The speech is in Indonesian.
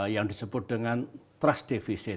yang disebut dengan keras keras